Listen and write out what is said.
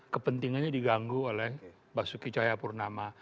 kepentingannya diganggu oleh basuki cahayapurnama